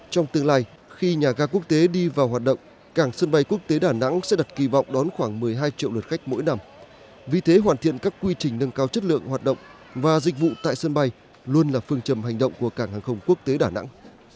trong tương lai khi nhà ga quốc tế đi vào hoạt động cảng sân bay quốc tế đà nẵng sẽ đặt kỳ vọng đón khoảng một mươi hai triệu lượt khách mỗi năm vì thế hoàn thiện các quy trình nâng cao chất lượng hoạt động và dịch vụ tại sân bay luôn là phương trầm hành động của cảng hàng không quốc tế đà nẵng